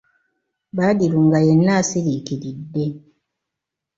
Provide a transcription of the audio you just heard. Badru nga yenna asiriikiridde!